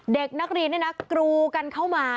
เด็กนักเรียนนี่นะกรูกันเข้ามา